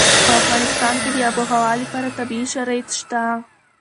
په افغانستان کې د آب وهوا لپاره طبیعي شرایط شته.